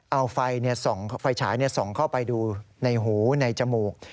เอาไฟส่องไฟฉายส่องเข้าไปดูในหูในจมูก